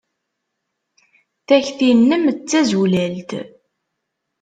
Takti-nnem d tazulalt.